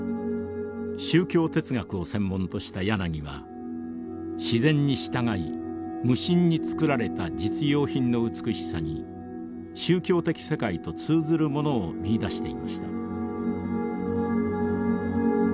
宗教哲学を専門とした柳は自然に従い無心に作られた実用品の美しさに宗教的世界と通ずるものを見いだしていました。